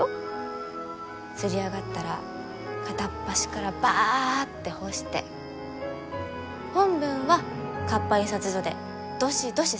刷り上がったら片っ端からバッて干して本文は活版印刷所でどしどし刷って。